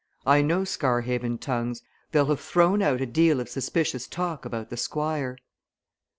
"I know Scarhaven tongues. They'll have thrown out a deal of suspicious talk about the Squire."